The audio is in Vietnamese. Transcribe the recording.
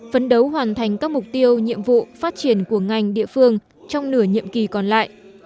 phấn đấu hoàn thành các mục tiêu nhiệm vụ phát triển của ngành địa phương trong nửa nhiệm kỳ còn lại